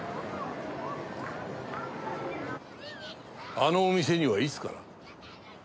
あのお店にはいつから？